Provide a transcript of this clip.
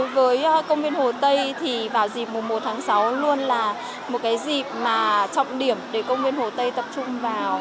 với công viên hồ tây thì vào dịp mùa một tháng sáu luôn là một cái dịp mà trọng điểm để công viên hồ tây tập trung vào